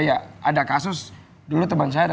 ya ada kasus dulu teman saya ada